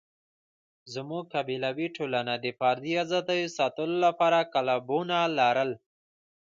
زموږ قبیلوي ټولنه د فردي آزادیو ساتلو لپاره قالبونه لرل.